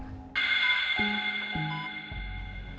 belum ada perkembangan yang membaik pak